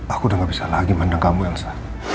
aku udah gak bisa lagi mandang kamu elsa